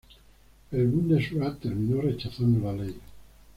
El Bundesrat terminó rechazando la ley.